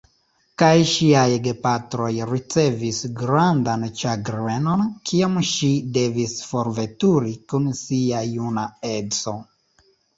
Kaj ŝiaj gepatroj ricevis grandan ĉagrenon, kiam ŝi devis forveturi kun sia juna edzo.